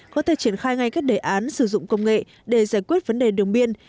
có thể triển khai ngay các đề án sử dụng công nghệ để giải quyết vấn đề đường biên